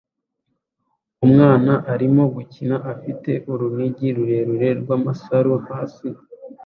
Umwana arimo gukina afite urunigi rurerure rw'amasaro hasi